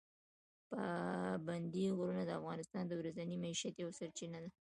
پابندي غرونه د افغانانو د ورځني معیشت یوه سرچینه ده.